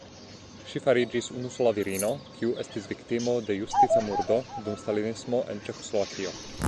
Ŝi fariĝis unusola virino, kiu estis viktimo de justica murdo dum stalinismo en Ĉeĥoslovakio.